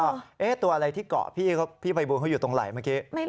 แล้วก็ตัวอะไรที่เกาะพี่พี่ไพบูนเขาอยู่ตรงไหล่เมื่อกี้